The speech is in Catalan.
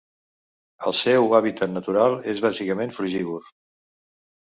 El seu hàbitat natural és bàsicament frugívor.